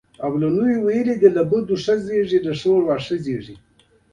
په وښو پټ ځایونه جایز وو چې وڅرول شي.